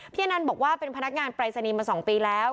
อนันต์บอกว่าเป็นพนักงานปรายศนีย์มา๒ปีแล้ว